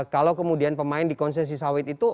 kalau kemudian pemain di konsesi sawit itu